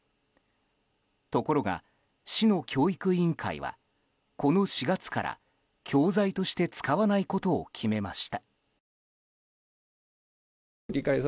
ところが市の教育委員会はこの４月から教材として使わないことを決めました。